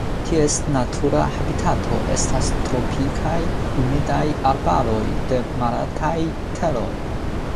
Ties natura habitato estas tropikaj humidaj arbaroj de malaltaj teroj.